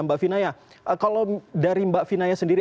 mbak fina ya kalau dari mbak fina ya sendiri